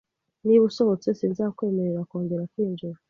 Niba usohotse, sinzakwemerera kongera kwinjira.